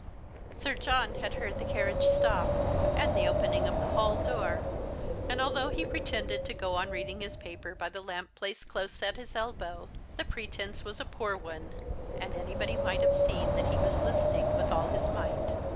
Sir John had heard the carriage stop, and the opening of the hall door ; and although he pretended to go on reading his paper by the lamp placed close at his elbow, the pretence was a poor one, and anybody might have seen that he was listening with all his might.